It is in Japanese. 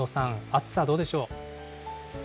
暑さどうでしょう。